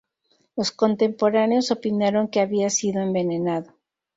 Los contemporáneos opinaron que había sido envenenado.